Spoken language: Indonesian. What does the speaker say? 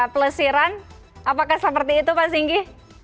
pelesiran apakah seperti itu pak singgi